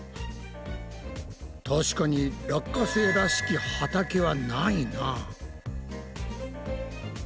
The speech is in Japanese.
確かに落花生らしき畑はないな。